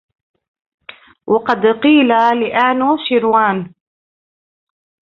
وَقَدْ قِيلَ لِأَنُوشِرْوَان